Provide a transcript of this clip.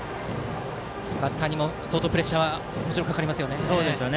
バッターにも相当プレッシャーがかかりますよね。